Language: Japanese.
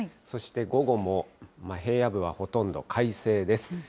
そして午後も平野部はほとんど快晴です。